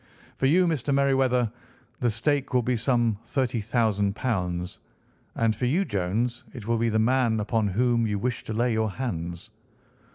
For you, Mr. Merryweather, the stake will be some £ 30,000; and for you, Jones, it will be the man upon whom you wish to lay your hands."